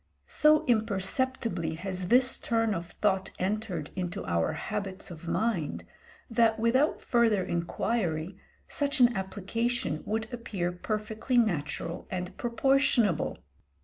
So imperceptibly has this turn of thought entered into our habits of mind, that, without further inquiry, such an application would appear perfectly natural and proportionable.